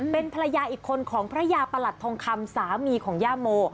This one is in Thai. เป็นภรรยาอีกคนของพระยาประหลัดทองคำสามีของย่าโม